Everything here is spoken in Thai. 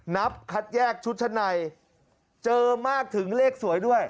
นับคัดแยกชุดชั้นในเจอมากถึงเลขสวยด้วย